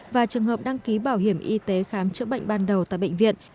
và trường hợp đăng ký bảo hiểm y tế khám chữa bệnh ban đầu tại bệnh viện